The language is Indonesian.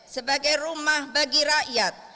sebagai rumah bagi rakyat